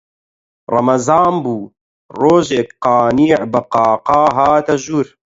ڕەمەزان بوو، ڕۆژێک قانیع بە قاقا هاتە ژوور